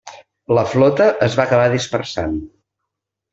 La flota es va acabar dispersant.